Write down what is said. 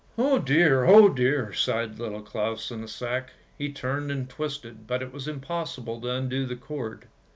"Oh dear, oh dear! " sighed Little Claus in the sack. He turned and twisted, but it was impossible to undo the cord.